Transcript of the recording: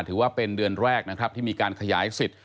ถือว่าเป็นเดือนแรกนะครับที่มีการขยายสิทธิ์